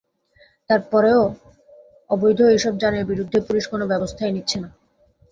তার পরও অবৈধ এসব যানের বিরুদ্ধে পুলিশ কোনো ব্যবস্থাই নিচ্ছে না।